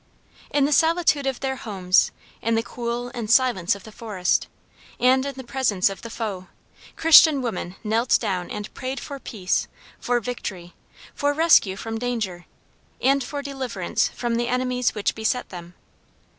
In the solitude of their homes, in the cool and silence of the forest, and in the presence of the foe, Christian women knelt down and prayed for peace, for victory, for rescue from danger, and for deliverance from the enemies which beset them.